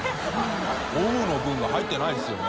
佑オムの分が入ってないですよね。